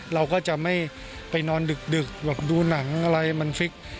เราก็จะไม่ไปนอนดึกแบบดูหนังอะไรมันฟิก